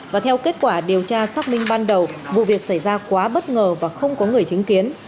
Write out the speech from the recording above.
và theo kết quả điều tra xác minh ban đầu vụ việc xảy ra quá bất ngờ và không có người chứng kiến